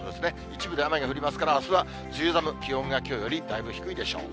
一部で雨が降りますから、あすは梅雨寒、気温がきょうよりだいぶ低いでしょう。